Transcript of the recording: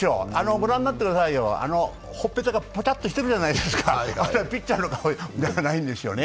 御覧になってくださいよ、ほっぺたがぽちゃっとしてるじゃないですか、あれはピッチャーの顔じゃないんですよね。